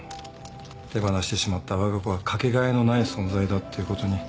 手放してしまったわが子は掛け替えのない存在だっていうことに。